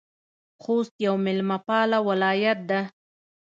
خوست یو میلمه پاله ولایت ده